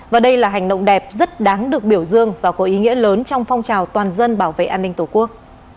và đây là hành động đẹp rất đáng được biểu dương và có ý nghĩa lớn trong phong trào toàn dân bảo vệ an ninh tổ quốc